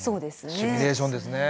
シミュレーションですね。